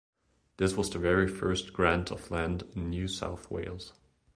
This was the very first grant of land in New South Wales.